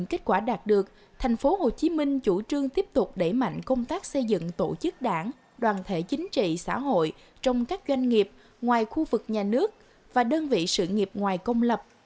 kết quả đạt được thành phố hồ chí minh chủ trương tiếp tục đẩy mạnh công tác xây dựng tổ chức đảng đoàn thể chính trị xã hội trong các doanh nghiệp ngoài khu vực nhà nước và đơn vị sự nghiệp ngoài công lập